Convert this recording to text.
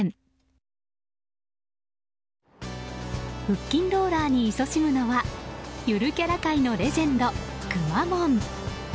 腹筋ローラーにいそしむのはゆるキャラ界のレジェンドくまモン。